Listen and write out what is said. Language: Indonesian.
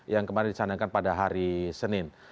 yang kemarin dicanangkan pada hari senin